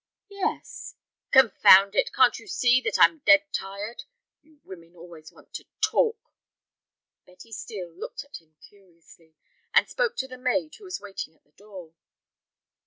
"Yes." "Confound it, can't you see that I'm dead tired? You women always want to talk." Betty Steel looked at him curiously, and spoke to the maid who was waiting at the door.